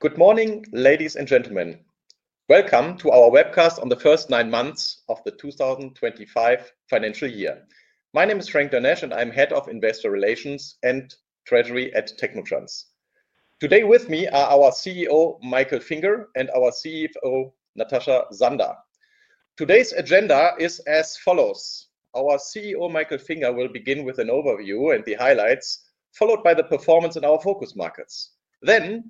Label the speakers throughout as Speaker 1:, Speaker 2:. Speaker 1: Good morning, ladies and gentlemen. Welcome to our webcast on the first nine months of the 2025 financial year. My name is Frank Dernesch, and I'm Head of Investor Relations and Treasury at technotrans. Today with me are our CEO, Michael Finger, and our CFO, Natascha Sander. Today's agenda is as follows: our CEO, Michael Finger, will begin with an overview and the highlights, followed by the performance in our focus markets. Then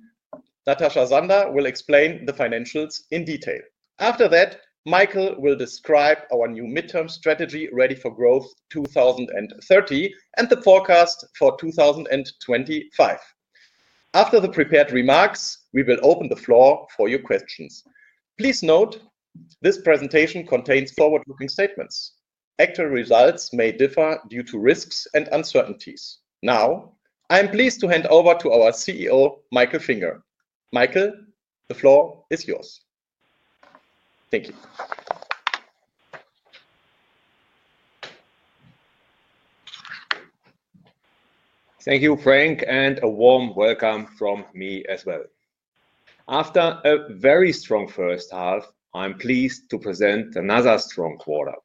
Speaker 1: Natascha Sander will explain the financials in detail. After that, Michael will describe our new midterm strategy, Ready for Growth 2030, and the forecast for 2025. After the prepared remarks, we will open the floor for your questions. Please note this presentation contains forward-looking statements. Actual results may differ due to risks and uncertainties. Now, I'm pleased to hand over to our CEO, Michael Finger. Michael, the floor is yours. Thank you.
Speaker 2: Thank you, Frank, and a warm welcome from me as well. After a very strong first half, I'm pleased to present another strong quarter.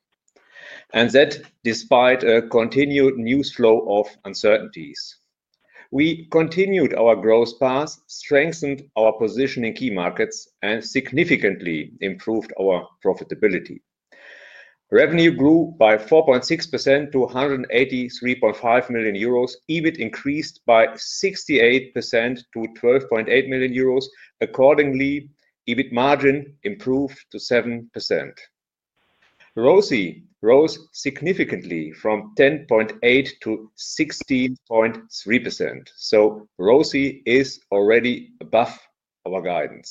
Speaker 2: That, despite a continued news flow of uncertainties, we continued our growth path, strengthened our position in key markets, and significantly improved our profitability. Revenue grew by 4.6% to 183.5 million euros. EBIT increased by 68% to 12.8 million euros. Accordingly, EBIT margin improved to 7%. ROSI rose significantly from 10.8%-16.3%. ROSI is already above our guidance.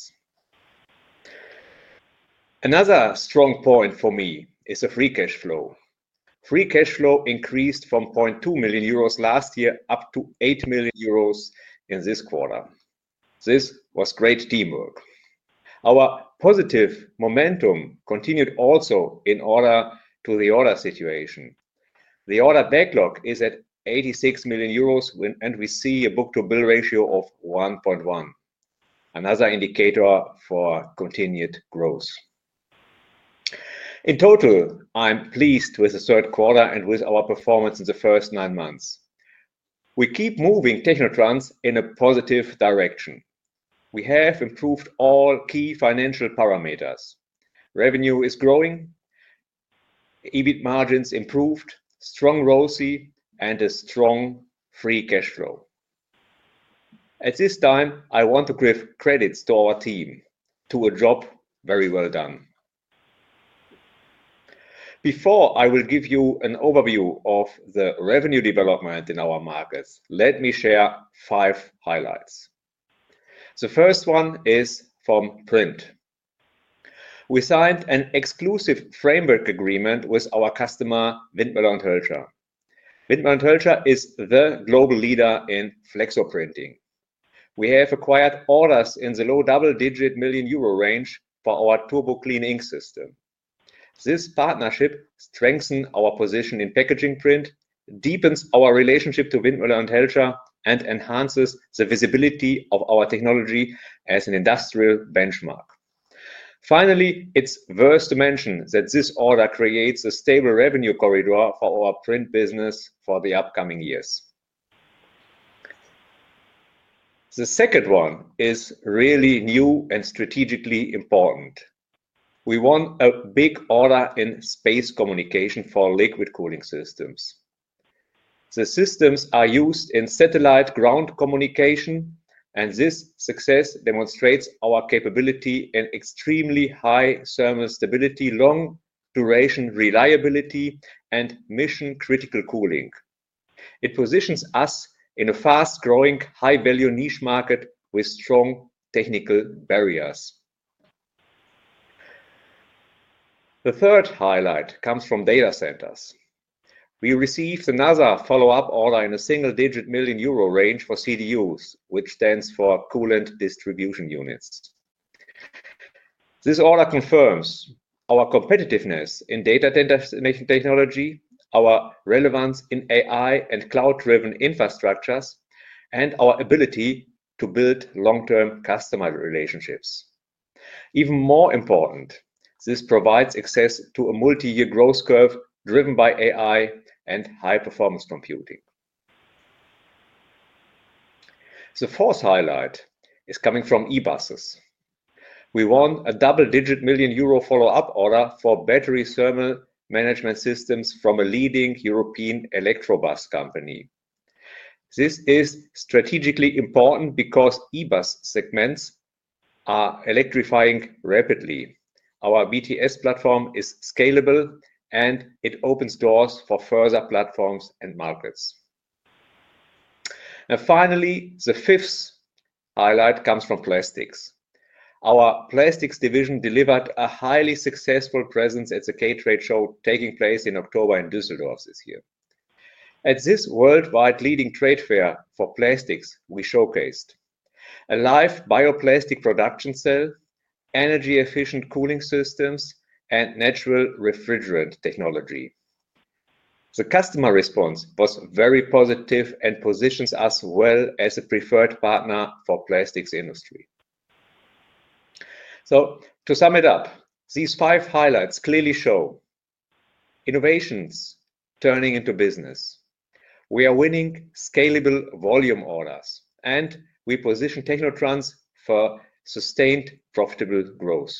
Speaker 2: Another strong point for me is the free cash flow. Free cash flow increased from 0.2 million euros last year up to 8 million euros in this quarter. This was great teamwork. Our positive momentum continued also in order to the order situation. The order backlog is at 86 million euros, and we see a book-to-bill ratio of 1.1, another indicator for continued growth. In total, I'm pleased with the third quarter and with our performance in the first nine months. We keep moving technotrans in a positive direction. We have improved all key financial parameters. Revenue is growing, EBIT margins improved, strong ROSI, and a strong free cash flow. At this time, I want to give credit to our team, to a job very well done. Before I will give you an overview of the revenue development in our markets, let me share five highlights. The first one is from print. We signed an exclusive framework agreement with our customer, Windmöller & Hölscher. Windmöller & Hölscher is the global leader in flexo printing. We have acquired orders in the low double-digit million EUR range for our TURBOCLEAN system. This partnership strengthens our position in packaging print, deepens our relationship to Windmöller & Hölscher, and enhances the visibility of our technology as an industrial benchmark. Finally, it's worth to mention that this order creates a stable revenue corridor for our print business for the upcoming years. The second one is really new and strategically important. We won a big order in space communication for liquid cooling systems. The systems are used in satellite ground communication, and this success demonstrates our capability in extremely high thermal stability, long-duration reliability, and mission-critical cooling. It positions us in a fast-growing, high-value niche market with strong technical barriers. The third highlight comes from data centers. We received another follow-up order in a single-digit million EUR range for CDUs, which stands for Coolant Distribution Units. This order confirms our competitiveness in data technology, our relevance in AI and cloud-driven infrastructures, and our ability to build long-term customer relationships. Even more important, this provides access to a multi-year growth curve driven by AI and high-performance computing. The fourth highlight is coming from e-buses. We won a double-digit million EUR follow-up order for battery thermal management systems from a leading European electric bus company. This is strategically important because e-bus segments are electrifying rapidly. Our BTS platform is scalable, and it opens doors for further platforms and markets. Finally, the fifth highlight comes from plastics. Our plastics division delivered a highly successful presence at the K-Trade Show taking place in October in Düsseldorf this year. At this worldwide leading trade fair for plastics, we showcased a live bioplastic production cell, energy-efficient cooling systems, and natural refrigerant technology. The customer response was very positive and positions us well as a preferred partner for the plastics industry. To sum it up, these five highlights clearly show innovations turning into business. We are winning scalable volume orders, and we position technotrans for sustained profitable growth.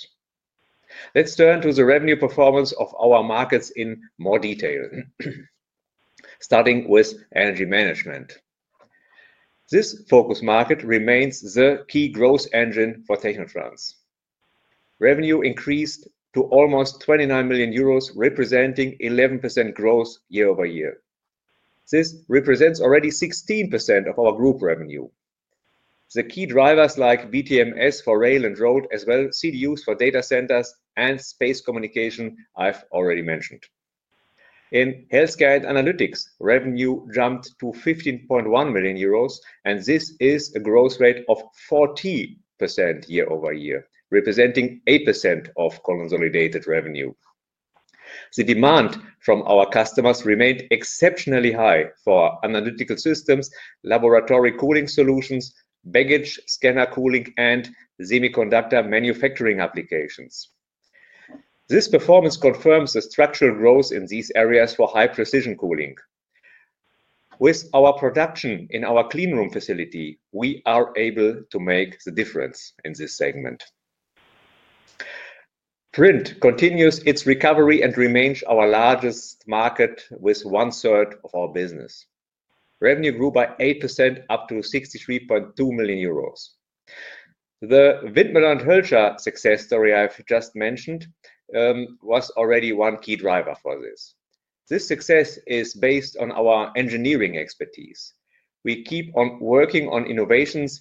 Speaker 2: Let's turn to the revenue performance of our markets in more detail, starting with energy management. This focus market remains the key growth engine for technotrans. Revenue increased to almost 29 million euros, representing 11% growth year-over-year. This represents already 16% of our Group revenue. The key drivers like BTMS for rail and road, as well as CDUs for data centers and space communication, I have already mentioned. In healthcare and analytics, revenue jumped to 15.1 million euros, and this is a growth rate of 40% year-over-year, representing 8% of Consolidated revenue. The demand from our customers remained exceptionally high for analytical systems, laboratory cooling solutions, baggage scanner cooling, and semiconductor manufacturing applications. This performance confirms the structural growth in these areas for high-precision cooling. With our production in our cleanroom facility, we are able to make the difference in this segment. Print continues its recovery and remains our largest market with one-third of our business. Revenue grew by 8% up to 63.2 million euros. The Windmöller & Hölscher success story I have just mentioned was already one key driver for this. This success is based on our engineering expertise. We keep on working on innovations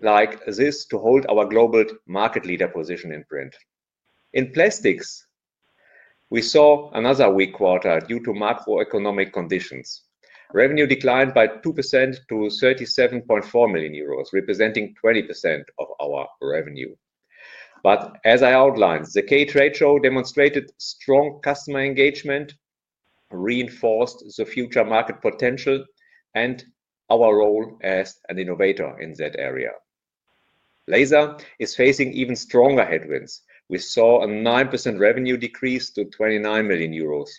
Speaker 2: like this to hold our global market leader position in print. In plastics, we saw another weak quarter due to macroeconomic conditions. Revenue declined by 2% to 37.4 million euros, representing 20% of our revenue. As I outlined, the K-Trade Show demonstrated strong customer engagement, reinforced the future market potential, and our role as an innovator in that area. Laser is facing even stronger headwinds. We saw a 9% revenue decrease to 29 million euros.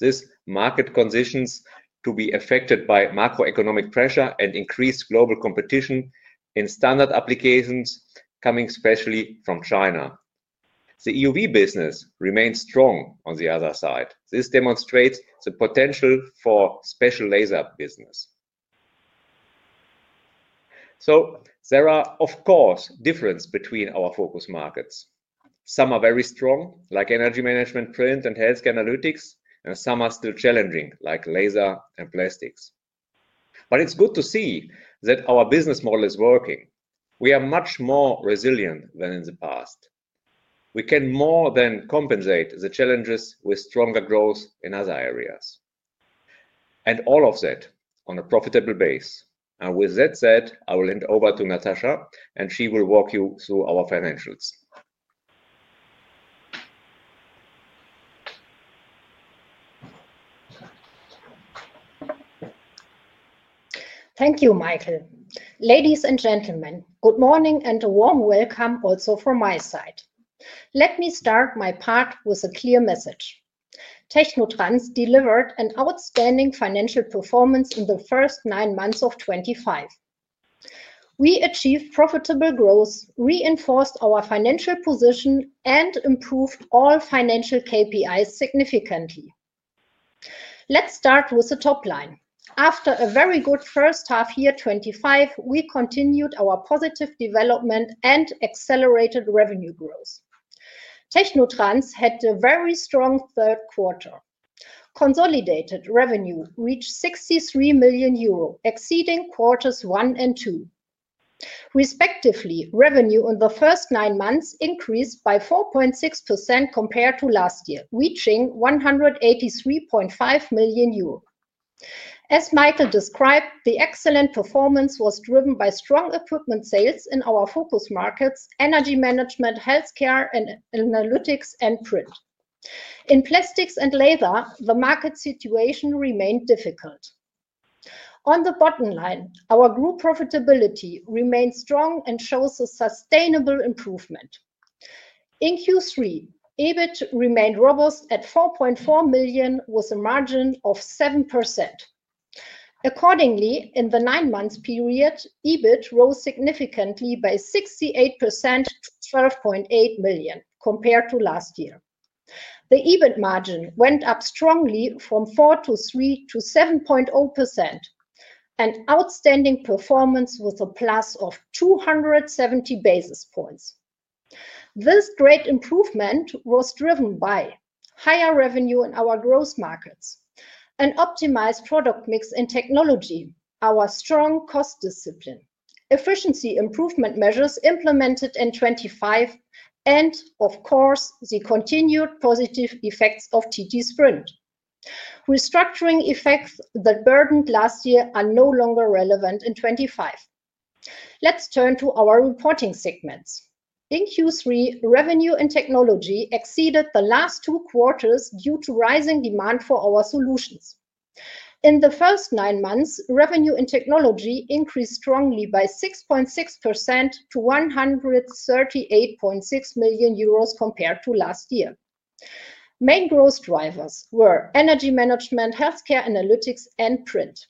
Speaker 2: These market conditions continue to be affected by macroeconomic pressure and increased global competition in standard applications coming especially from China. The EUV business remains strong on the other side. This demonstrates the potential for special laser business. There are, of course, differences between our focus markets. Some are very strong, like energy management, print, and healthcare analytics, and some are still challenging, like laser and plastics. It is good to see that our business model is working. We are much more resilient than in the past. We can more than compensate the challenges with stronger growth in other areas. All of that on a profitable base. With that said, I will hand over to Natascha, and she will walk you through our financials.
Speaker 3: Thank you, Michael. Ladies and gentlemen, good morning and a warm welcome also from my side. Let me start my part with a clear message. Technotrans delivered an outstanding financial performance in the first nine months of 2025. We achieved profitable growth, reinforced our financial position, and improved all financial KPIs significantly. Let's start with the top line. After a very good first half year 2025, we continued our positive development and accelerated revenue growth. Technotrans had a very strong third quarter. Consolidated revenue reached 63 million euro, exceeding quarters one and two. Respectively, revenue in the first nine months increased by 4.6% compared to last year, reaching 183.5 million euros. As Michael described, the excellent performance was driven by strong equipment sales in our focus markets, energy management, healthcare, and analytics, and print. In plastics and laser, the market situation remained difficult. On the bottom line, our group profitability remained strong and shows a sustainable improvement. In Q3, EBIT remained robust at 4.4 million with a margin of 7%. Accordingly, in the nine-month period, EBIT rose significantly by 68% to 12.8 million compared to last year. The EBIT margin went up strongly from 4.3% to 7.0%, an outstanding performance with a plus of 270 basis points. This great improvement was driven by higher revenue in our growth markets, an optimized product mix and technology, our strong cost discipline, efficiency improvement measures implemented in 2023, and, of course, the continued positive effects of TT Sprint. Restructuring effects that burdened last year are no longer relevant in 2025. Let's turn to our reporting segments. In Q3, revenue and technology exceeded the last two quarters due to rising demand for our solutions. In the first nine months, revenue in technology increased strongly by 6.6% to 138.6 million euros compared to last year. Main growth drivers were energy management, healthcare analytics, and print.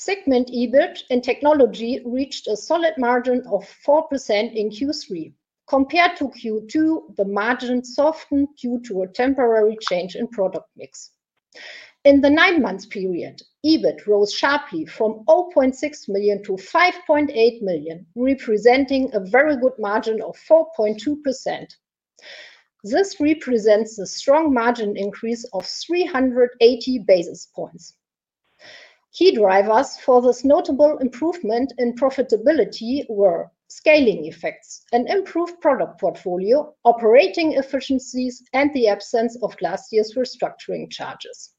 Speaker 3: Segment EBIT in technology reached a solid margin of 4% in Q3. Compared to Q2, the margin softened due to a temporary change in product mix. In the nine-month period, EBIT rose sharply from 0.6 million to 5.8 million, representing a very good margin of 4.2%. This represents a strong margin increase of 380 basis points. Key drivers for this notable improvement in profitability were scaling effects, an improved product portfolio, operating efficiencies, and the absence of last year's restructuring charges.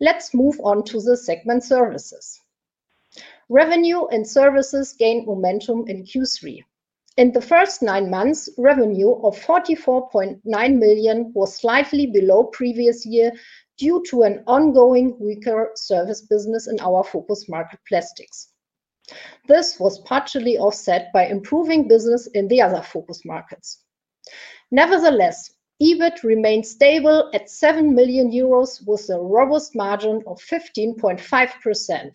Speaker 3: Let's move on to the segment services. Revenue in services gained momentum in Q3. In the first nine months, revenue of 44.9 million was slightly below previous year due to an ongoing weaker service business in our focus market, plastics. This was partially offset by improving business in the other focus markets. Nevertheless, EBIT remained stable at 7 million euros with a robust margin of 15.5%.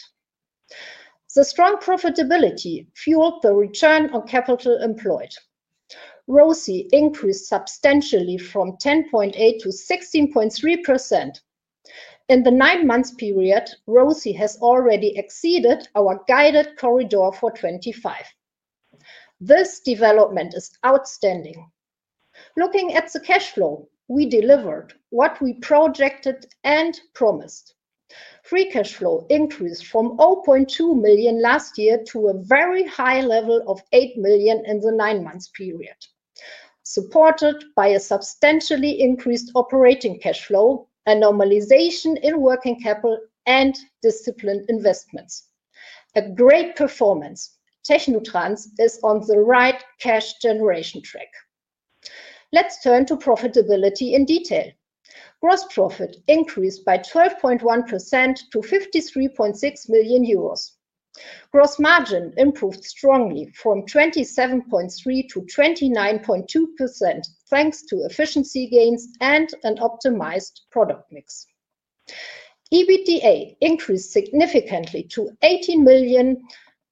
Speaker 3: The strong profitability fueled the return on capital employed. ROSI increased substantially from 10.8% 16.3%. In the nine-month period, ROSI has already exceeded our guided corridor for 2025. This development is outstanding. Looking at the cash flow, we delivered what we projected and promised. Free cash flow increased from 0.2 million last year to a very high level of 8 million in the nine-month period, supported by a substantially increased operating cash flow, a normalization in working capital, and disciplined investments. A great performance. Technotrans is on the right cash generation track. Let's turn to profitability in detail. Gross profit increased by 12.1% to 53.6 million euros. Gross margin improved strongly from 27.3% -29.2% thanks to efficiency gains and an optimized product mix. EBITDA increased significantly to 18 million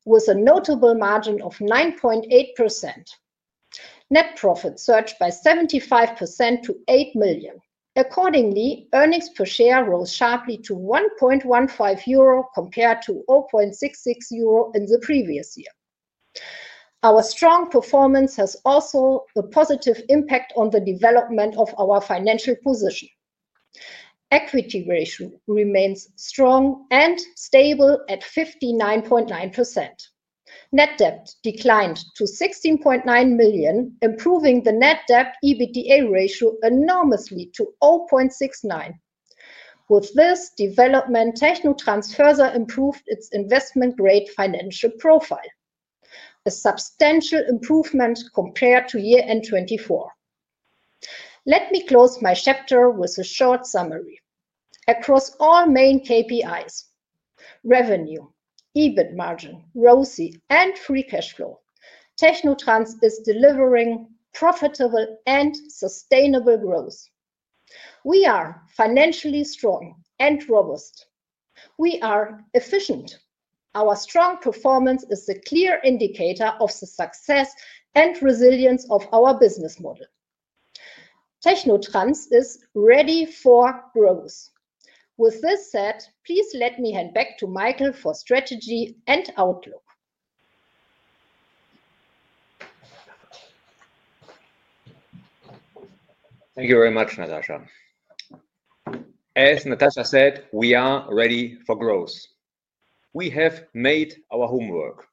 Speaker 3: with a notable margin of 9.8%. Net profit surged by 75% to 8 million. Accordingly, earnings per share rose sharply to 1.15 euro compared to 0.66 euro in the previous year. Our strong performance has also a positive impact on the development of our financial position. Equity ratio remains strong and stable at 59.9%. Net debt declined to 16.9 million, improving the net debt EBITDA ratio enormously to 0.69. With this development, technotrans further improved its investment-grade financial profile, a substantial improvement compared to year-end 2024. Let me close my chapter with a short summary. Across all main KPIs, revenue, EBIT margin, ROSI, and free cash flow, technotrans is delivering profitable and sustainable growth. We are financially strong and robust. We are efficient. Our strong performance is a clear indicator of the success and resilience of our business model. Technotrans is ready for growth. With this said, please let me hand back to Michael for strategy and outlook.
Speaker 2: Thank you very much, Natascha. As Natascha said, we are ready for growth. We have made our homework.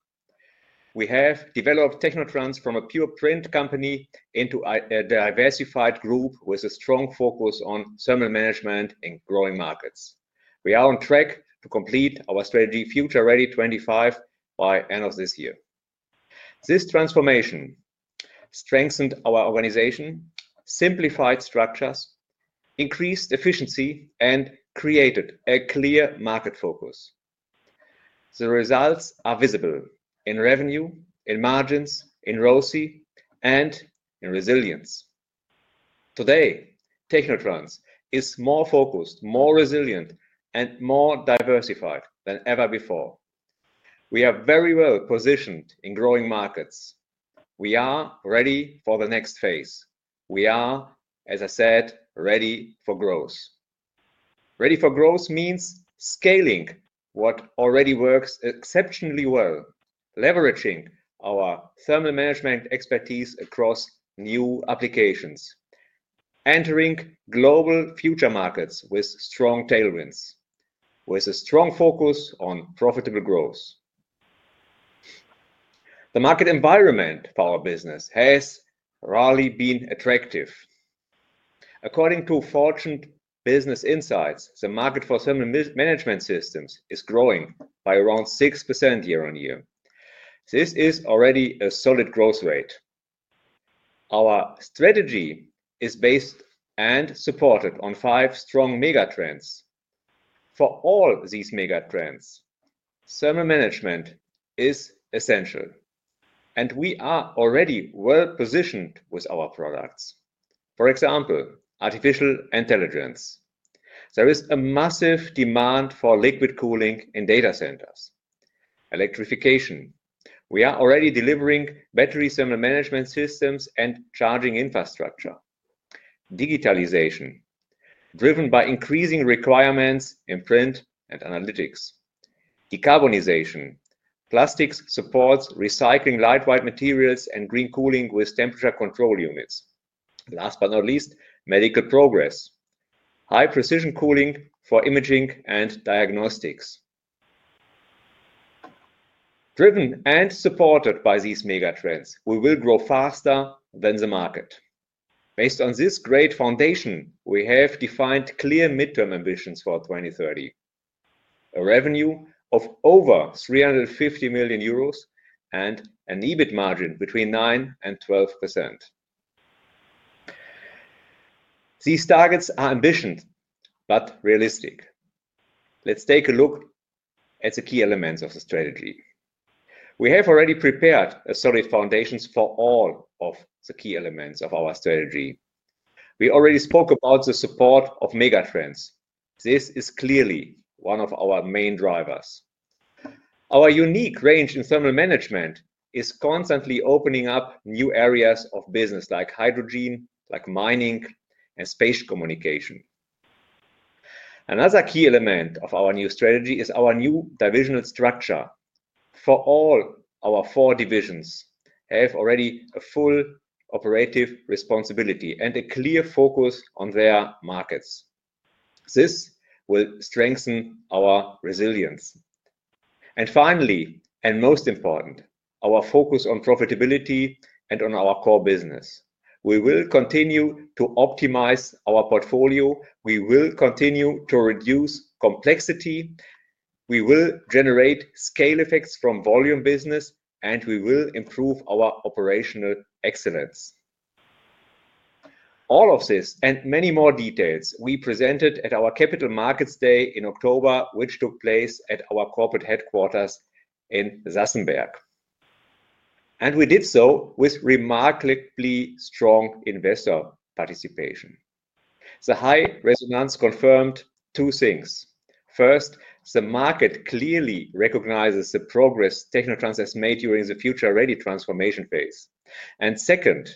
Speaker 2: We have developed technotrans from a pure print company into a diversified group with a strong focus on thermal management in growing markets. We are on track to complete our strategy Future Ready 2025 by the end of this year. This transformation strengthened our organization, simplified structures, increased efficiency, and created a clear market focus. The results are visible in revenue, in margins, in ROSI, and in resilience. Today, technotrans is more focused, more resilient, and more diversified than ever before. We are very well positioned in growing markets. We are ready for the next phase. We are, as I said, ready for growth. Ready for Growth means scaling what already works exceptionally well, leveraging our thermal management expertise across new applications, entering global future markets with strong tailwinds, with a strong focus on profitable growth. The market environment for our business has rarely been attractive. According to Fortune Business Insights, the market for thermal management systems is growing by around 6% year-on-year. This is already a solid growth rate. Our strategy is based and supported on five strong megatrends. For all these megatrends, thermal management is essential, and we are already well positioned with our products. For example, artificial intelligence. There is a massive demand for liquid cooling in data centers. Electrification. We are already delivering battery thermal management systems and charging infrastructure. Digitalization, driven by increasing requirements in print and analytics. Decarbonization. Plastics supports recycling lightweight materials and green cooling with temperature control units. Last but not least, medical progress. High-precision cooling for imaging and diagnostics. Driven and supported by these megatrends, we will grow faster than the market. Based on this great foundation, we have defined clear midterm ambitions for 2030: a revenue of over 350 million euros and an EBIT margin between 9%-12%. These targets are ambitious but realistic. Let's take a look at the key elements of the strategy. We have already prepared a solid foundation for all of the key elements of our strategy. We already spoke about the support of megatrends. This is clearly one of our main drivers. Our unique range in thermal management is constantly opening up new areas of business like hydrogen, like mining, and spatial communication. Another key element of our new strategy is our new divisional structure. For all our four divisions, we have already a full operative responsibility and a clear focus on their markets. This will strengthen our resilience. Finally, and most important, our focus on profitability and on our core business. We will continue to optimize our portfolio. We will continue to reduce complexity. We will generate scale effects from volume business, and we will improve our operational excellence. All of this and many more details we presented at our Capital Markets Day in October, which took place at our corporate headquarters in Sassenberg. We did so with remarkably strong investor participation. The high resonance confirmed two things. First, the market clearly recognizes the progress technotrans has made during the Future Ready transformation phase. Second,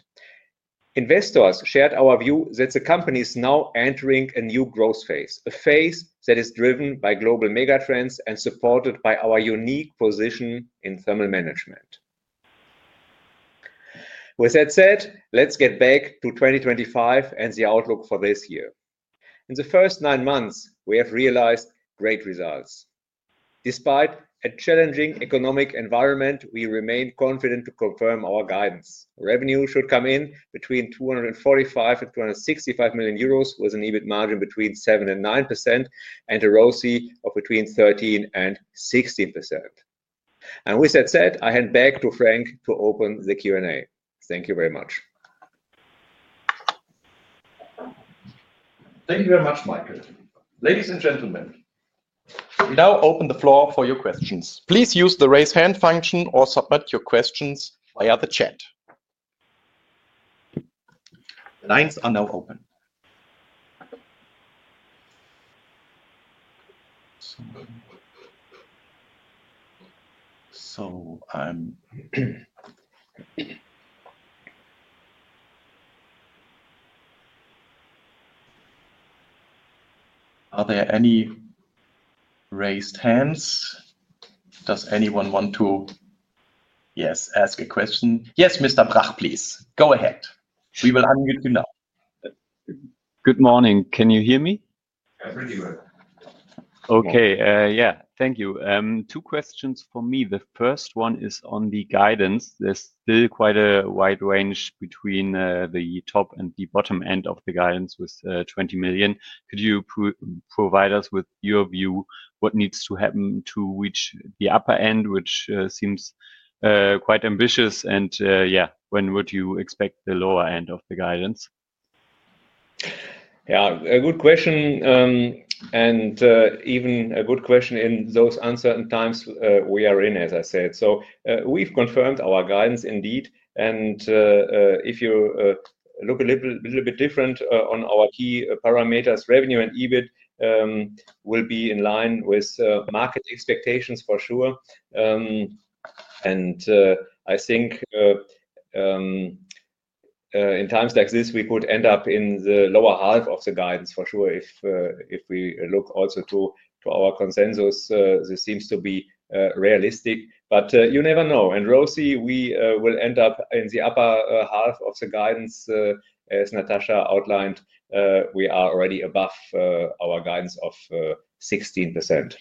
Speaker 2: investors shared our view that the company is now entering a new growth phase, a phase that is driven by global megatrends and supported by our unique position in thermal management. With that said, let's get back to 2025 and the outlook for this year. In the first nine months, we have realized great results. Despite a challenging economic environment, we remain confident to confirm our guidance. Revenue should come in between 245 million euros and 265 million euros with an EBIT margin between 7% and 9% and a ROSI of between 13% and 16%. With that said, I hand back to Frank to open the Q&A. Thank you very much.
Speaker 1: Thank you very much, Michael. Ladies and gentlemen, we now open the floor for your questions. Please use the raise hand function or submit your questions via the chat. The lines are now open. Are there any raised hands? Does anyone want to, yes, ask a question? Yes, Mr. Brach, please. Go ahead. We will unmute you now. Good morning. Can you hear me? Yeah, pretty good. Okay. Yeah, thank you. Two questions for me. The first one is on the guidance. There's still quite a wide range between the top and the bottom end of the guidance with 20 million. Could you provide us with your view what needs to happen to reach the upper end, which seems quite ambitious? Yeah, when would you expect the lower end of the guidance?
Speaker 2: Yeah, a good question. Even a good question in those uncertain times we are in, as I said. We have confirmed our guidance indeed. If you look a little bit different on our key parameters, revenue and EBIT will be in line with market expectations for sure. I think in times like this, we could end up in the lower half of the guidance for sure. If we look also to our consensus, this seems to be realistic. You never know. ROSI, we will end up in the upper half of the guidance. As Natascha outlined, we are already above our guidance of 16%.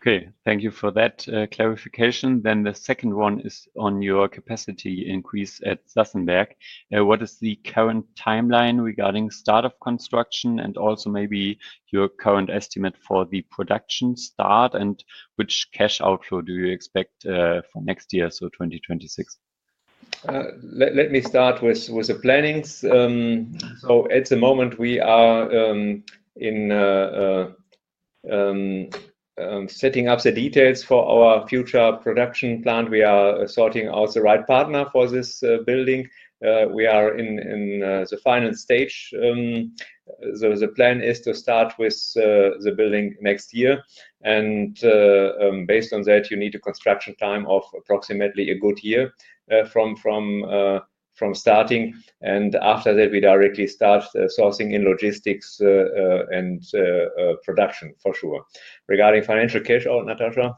Speaker 2: Okay. Thank you for that clarification. The second one is on your capacity increase at Sassenberg. What is the current timeline regarding startup construction and also maybe your current estimate for the production start? Which cash outflow do you expect for next year, so 2026? Let me start with the plannings. At the moment, we are in setting up the details for our future production plant. We are sorting out the right partner for this building. We are in the final stage. The plan is to start with the building next year. Based on that, you need a construction time of approximately a good year from starting. After that, we directly start sourcing in logistics and production for sure. Regarding financial cash out, Natascha?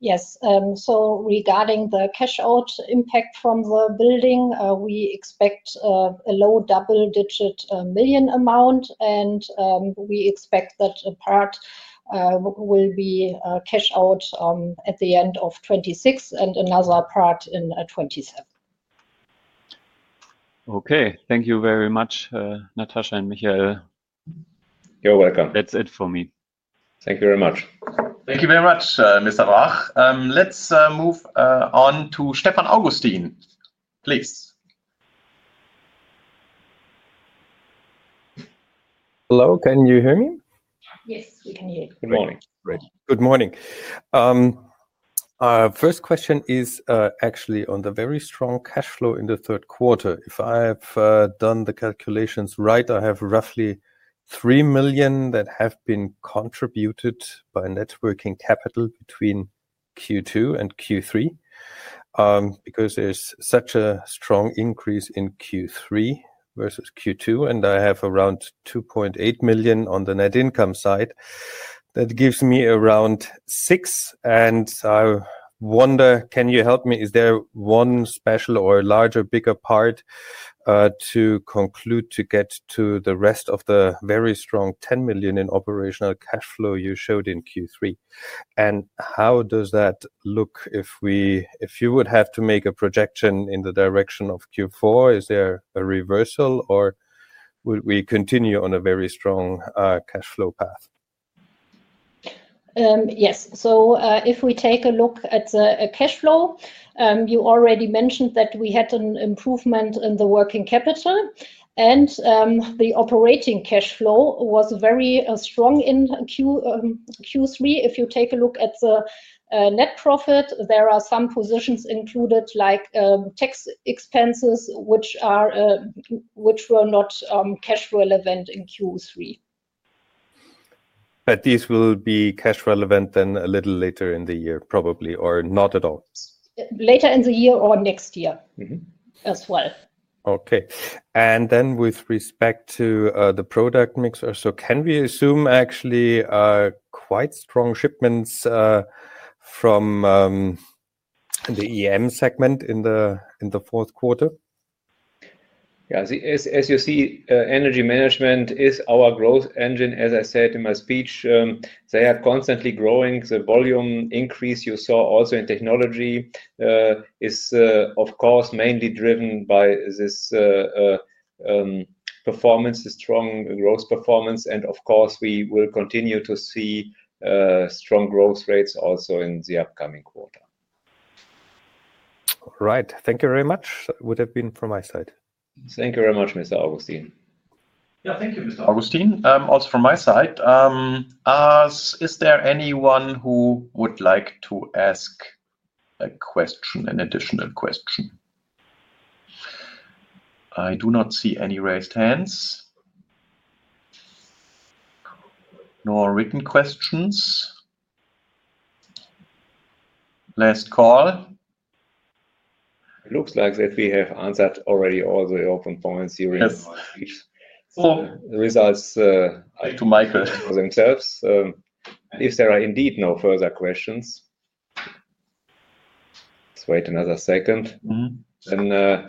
Speaker 3: Yes. Regarding the cash out impact from the building, we expect a low double-digit million amount. We expect that a part will be cash out at the end of 2026 and another part in 2027. Okay. Thank you very much, Natascha and Michael.
Speaker 2: You're welcome. That's it for me. Thank you very much.
Speaker 1: Thank you very much, Mr. Brach. Let's move on to Stefan Augustin. Please.
Speaker 4: Hello. Can you hear me?
Speaker 3: Yes, we can hear you.
Speaker 2: Good morning.
Speaker 4: Good morning. Our first question is actually on the very strong cash flow in the third quarter. If I have done the calculations right, I have roughly 3 million that have been contributed by networking capital between Q2 and Q3 because there is such a strong increase in Q3 versus Q2. I have around 2.8 million on the net income side. That gives me around 6 million. I wonder, can you help me? Is there one special or larger, bigger part to conclude to get to the rest of the very strong 10 million in operational cash flow you showed in Q3? How does that look if you would have to make a projection in the direction of Q4? Is there a reversal, or would we continue on a very strong cash flow path?
Speaker 3: Yes. If we take a look at the cash flow, you already mentioned that we had an improvement in the working capital. The operating cash flow was very strong in Q3. If you take a look at the net profit, there are some positions included like tax expenses, which were not cash relevant in Q3.
Speaker 4: These will be cash relevant then a little later in the year, probably, or not at all?
Speaker 3: Later in the year or next year as well.
Speaker 4: Okay. And then with respect to the product mix, can we assume actually quite strong shipments from the EM segment in the fourth quarter?
Speaker 2: Yeah. As you see, energy management is our growth engine, as I said in my speech. They are constantly growing. The volume increase you saw also in technology is, of course, mainly driven by this performance, the strong growth performance. Of course, we will continue to see strong growth rates also in the upcoming quarter.
Speaker 4: All right. Thank you very much. That would have been from my side.
Speaker 2: Thank you very much, Mr. Augustin.
Speaker 1: Yeah, thank you, Mr. Augustin. Also from my side, is there anyone who would like to ask a question, an additional question? I do not see any raised hands nor written questions. Last call.
Speaker 2: It looks like that we have answered already all the open points during the results.
Speaker 1: To Michael.
Speaker 2: For themselves. If there are indeed no further questions,
Speaker 1: let's wait another second.
Speaker 2: There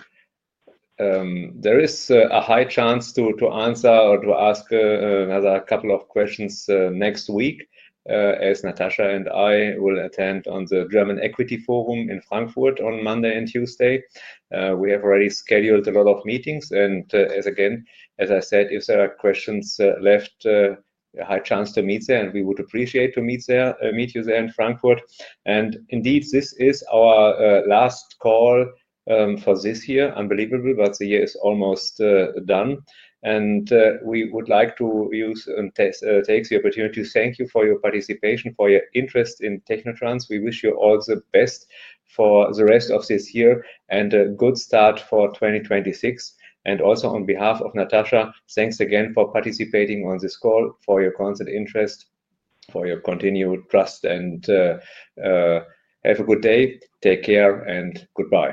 Speaker 2: is a high chance to answer or to ask another couple of questions next week as Natascha and I will attend the German Equity Forum in Frankfurt on Monday and Tuesday. We have already scheduled a lot of meetings. Again, as I said, if there are questions left, a high chance to meet there. We would appreciate to meet you there in Frankfurt. Indeed, this is our last call for this year. Unbelievable, but the year is almost done. We would like to use and take the opportunity to thank you for your participation, for your interest in technotrans. We wish you all the best for the rest of this year and a good start for 2026. Also on behalf of Natascha, thanks again for participating on this call, for your constant interest, for your continued trust. Have a good day, take care, and goodbye.